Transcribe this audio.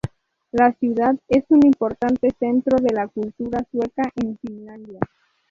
La ciudad es un importante centro de la cultura sueca en Finlandia.